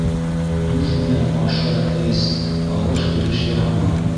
Дуҫ менән аша, эс, алыш-биреш яһама.